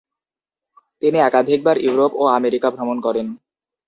তিনি একাধিকবার ইউরোপ ও আমেরিকা ভ্রমণ করেন।